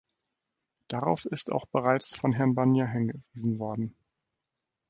Darauf ist auch bereits von Herrn Barnier hingewiesen worden.